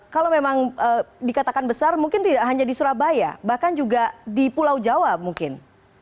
kalau memang dikatakan besar mungkin tidak hanya di surabaya bahkan juga di pulau jawa mungkin